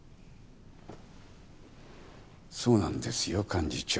そうなんですよ幹事長。